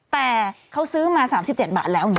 แต่เขาซื้อมา๓๗บาทแล้ว